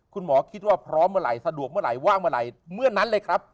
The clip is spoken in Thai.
คุณหมอคิดว่าพร้อมเมื่อไหร่สะดวกเมื่อไหร่ว่างเมื่อไหร่เมื่อนั้นเลยครับ